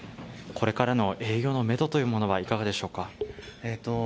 これからの営業のめどはいかがでしょうか。